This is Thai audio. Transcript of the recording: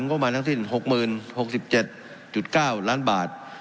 ก็มาทั้งที่๖๐๐๖๗๙ล้านบาท